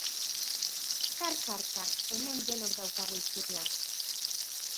Kar, kar, kar, hemen denok daukagu izurria.